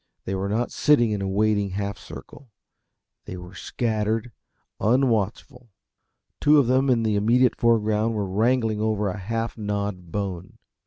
They were not sitting in a waiting half circle they were scattered, unwatchful. Two of them in the immediate foreground were wrangling over a half gnawed bone.